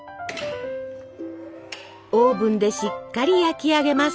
オーブンでしっかり焼き上げます。